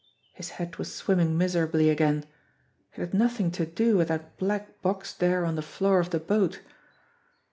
His head was swimming miserably again. It had nothing to do with that black box there on the floor of the boat.